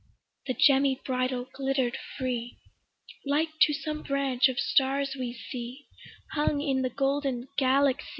The gemmy bridle glitter'd free, Like to some branch of stars we see Hung in the golden Galaxy.